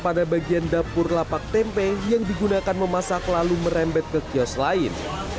pada bagian dapur lapak tempe yang digunakan memasak lalu merembet ke kios lain